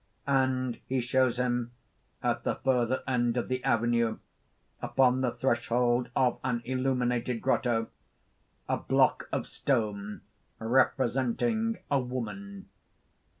(_And he shows him at the further end of the avenue, upon the threshold of an illuminated grotto, a block of stone representing a woman.